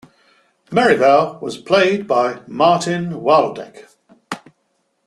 Merrivale was played by Martin Wyldeck.